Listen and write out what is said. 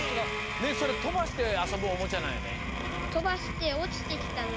ねえそれとばしてあそぶおもちゃなんやね？